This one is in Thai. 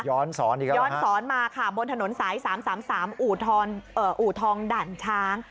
ย้อนสอนอีกแล้วค่ะย้อนสอนมาบนถนนสาย๓๓๓อูทองดั่นช้าง